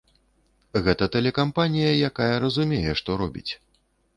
Гэта тэлекампанія, якая разумее, што робіць.